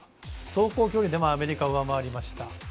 走行距離でもアメリカ上回りました。